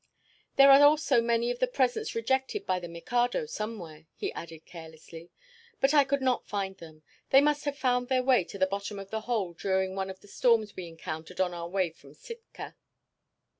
"There are also many of the presents rejected by the Mikado, somewhere," he added carelessly. "But I could not find them. They must have found their way to the bottom of the hold during one of the storms we encountered on our way from Sitka."